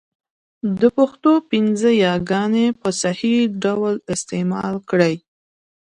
د پښتو پنځه یاګاني ی، ي، ې، ۍ، ئ په صحيح ډول استعمال کړئ!